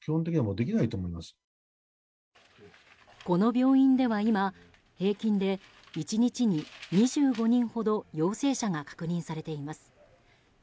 この病院では今平均で、１日に２５人ほど陽性者が確認されています。